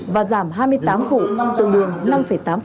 và giảm hai mươi tám vụ tương đương năm tám